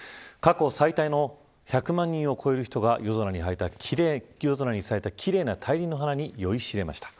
過去最多の１００万人を超える人が夜空に咲いた奇麗な大輪の花に酔いしれました。